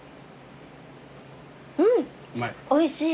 うんおいしい。